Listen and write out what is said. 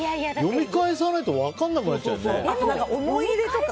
読み返さないと分かんなくなっちゃう。